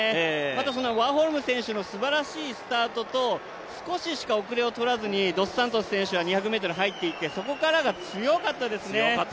また、ワーホルム選手のすばらしいスタートと少ししか後れを取らずにドス・サントス選手が２００ｍ入っていて、そこからが強かったですね。